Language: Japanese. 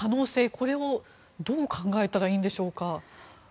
これをどう考えたらいいんでしょうか。